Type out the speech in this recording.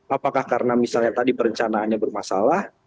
apakah karena misalnya tadi perencanaannya bermasalah